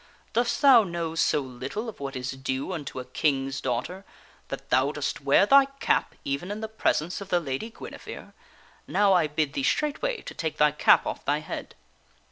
Dost thou know so little of what is due unto a king's daughter that thou dost wear thy cap even in the presence of the Lady Guinevere ? Now I bid thee straightway to take thy cap off thy head."